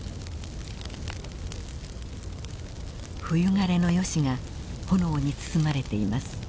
冬枯れのヨシが炎に包まれています。